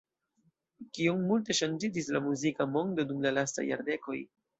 Kiom multe ŝanĝiĝis la muzika mondo dum la lastaj jardekoj!